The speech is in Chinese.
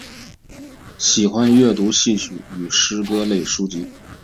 喜欢阅读戏曲与诗歌类书籍。